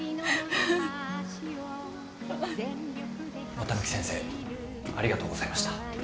綿貫先生ありがとうございました。